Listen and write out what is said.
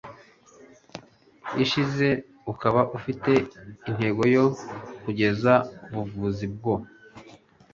ishize, ukaba ufite intego yo kugeza ubuvuzi bwo